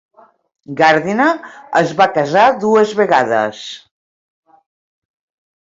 Gardiner es va casar dues vegades.